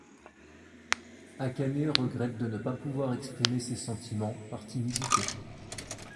Akane regrette de ne pas pouvoir exprimer ses sentiments, par timidité.